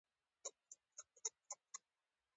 خالي کورنۍ نه درلوده.